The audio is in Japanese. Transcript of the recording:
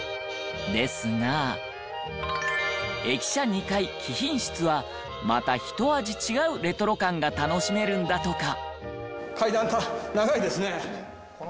ですが駅舎２階貴賓室はまたひと味違うレトロ感が楽しめるんだとか。